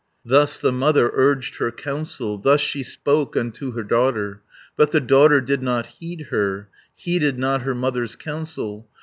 Thus the mother urged her counsel, Thus she spoke unto her daughter, 190 But the daughter did not heed her, Heeded not her mother's counsel.